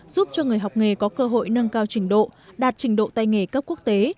giúp cho người học nghề có cơ hội nâng cao trình độ đạt trình độ tay nghề cấp quốc tế